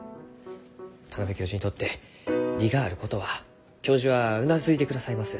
田邊教授にとって利があることは教授はうなずいてくださいます。